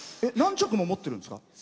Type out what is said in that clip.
何着も持ってるんですか？